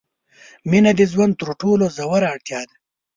مینه د ژوند تر ټولو ژوره اړتیا ده.